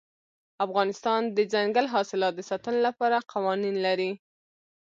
افغانستان د دځنګل حاصلات د ساتنې لپاره قوانین لري.